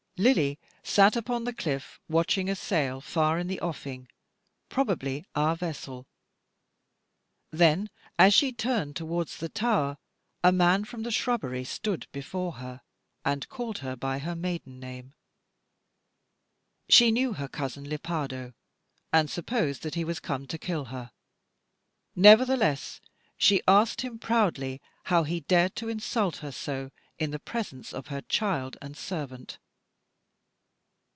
Lily sat upon the cliff, watching a sail far in the offing, probably our vessel. Then as she turned towards the tower, a man from the shrubbery stood before her, and called her by her maiden name. She knew her cousin Lepardo, and supposed that he was come to kill her. Nevertheless she asked him proudly how he dared to insult her so, in the presence of her child and servant.